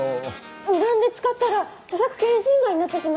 無断で使ったら著作権侵害になってしまいます。